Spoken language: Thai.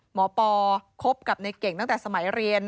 หมอปอล์ครบกับเก่งตั้งแต่สมัยเรียน